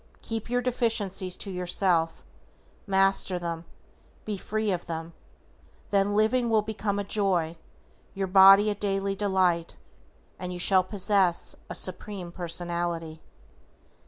Keep your deficiencies to yourself, master them, be free of them, then living will become a joy, your body a daily delight, and you shall possess a Supreme Personality.